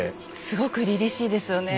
すごくりりしいですよね。